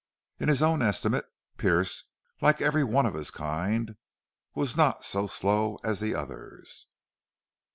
In his own estimate Pearce, like every one of his kind, was not so slow as the others.